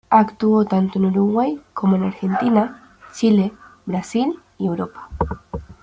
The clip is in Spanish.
Actuó tanto en Uruguay como en Argentina, Chile, Brasil y Europa.